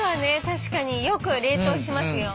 確かによく冷凍しますよ。